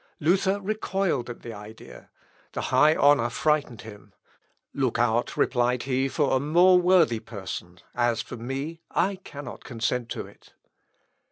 Luther recoiled at the idea; the high honour frightened him. "Look out," replied he, "for a more worthy person; as for me, I cannot consent to it."